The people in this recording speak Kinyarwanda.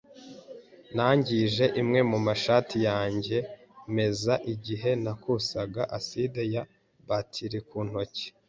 Nangije imwe mu mashati yanjye meza igihe nasukaga aside ya batiri ku ntoki